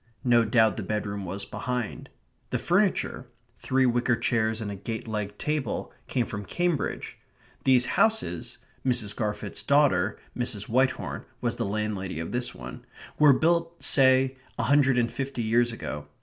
No doubt the bedroom was behind. The furniture three wicker chairs and a gate legged table came from Cambridge. These houses (Mrs. Garfit's daughter, Mrs. Whitehorn, was the landlady of this one) were built, say, a hundred and fifty years ago.